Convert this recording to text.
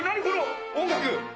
この音楽。